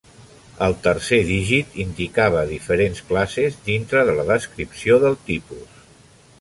El tercer dígit indicava diferents classes dintre de la descripció del tipus.